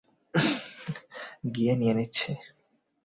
গিয়ে নিয়ে নিচ্ছি।